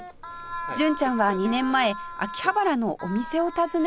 純ちゃんは２年前秋葉原のお店を訪ねました